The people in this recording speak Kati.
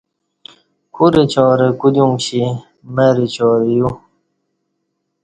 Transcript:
کورہ چارں کودیوم کِشی مر چارں یو